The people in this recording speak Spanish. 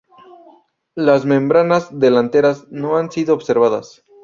Las membranas delanteras no han sido observadas.